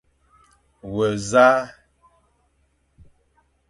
We nẑa ?